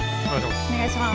お願いします。